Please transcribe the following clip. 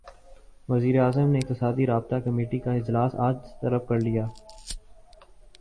وزیراعظم نے اقتصادی رابطہ کمیٹی کا اجلاس اج طلب کرلیا